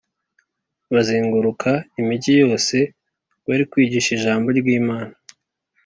Bazenguruka imigi yose barikwigisha ijambo ryi Imana